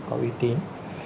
có uy tín